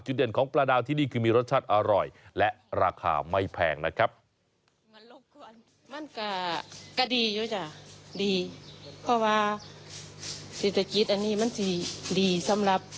เด่นของปลาดาวที่นี่คือมีรสชาติอร่อยและราคาไม่แพงนะครับ